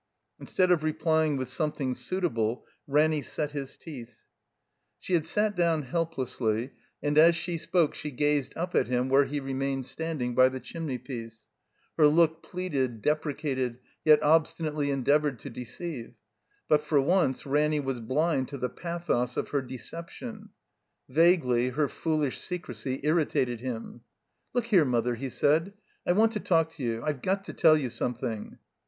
Instead of repl3ring with something suitable, Ranny set his teeth. 2S9 THE COMBINED MAZE She had sat down helplessly, and as she spoke she gazed up at him where he remained standing by the chimney piece; her look pleaded, deprecated, yet obstinately endeavored to deceive. But for once Ranny was bhnd to the pathos of her deception. Vaguely her foolish secrecy irritated him. "Look here. Mother," he said, '*I want to talk to you. I've got to tell you something."